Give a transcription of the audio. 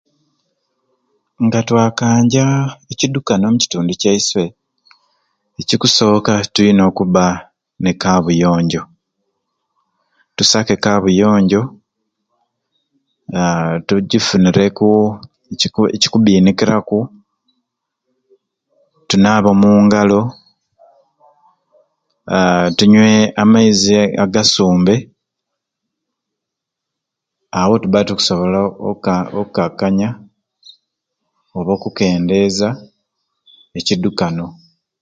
Nga twakanja ekidukano omukitundu kyaiswe, ekikusooka tuina okubba n'ekabuyonjo. Tusake e kabuyonjo aa tugifunireku ekiku ekikubbinikiraku, tunaabe omungalo, aa tunywe amaizi agasumbe awo tubba tukusobola okukaa okakkanja oba okukendeeza ekidukano.